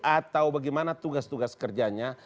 atau bagaimana tugas tugas kerjanya